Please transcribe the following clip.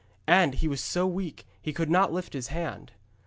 And he was so weak he could not lift his hand.